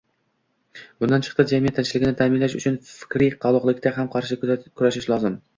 Bundan chiqdi, jamiyat tinchligini ta’minlash uchun fikriy qoloqlikka ham qarshi kurashish lozim.